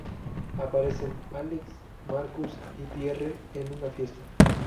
Aparecen Alex, Marcus y Pierre en una fiesta.